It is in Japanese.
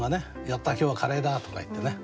「やった！今日はカレーだ！」とか言ってね。